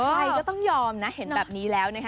ใครก็ต้องยอมนะเห็นแบบนี้แล้วนะคะ